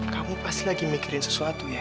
kamu pasti lagi mikirin sesuatu ya